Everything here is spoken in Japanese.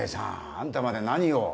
あんたまで何を。